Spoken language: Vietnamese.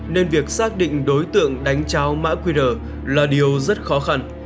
nên việc xác định đối tượng đánh trao mã qr là điều rất khó khăn